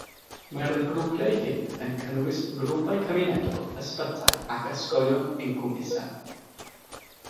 Mae'r grwpiau hyn yn cynnwys grwpiau cymunedol, ysbytai ac ysgolion incwm isel.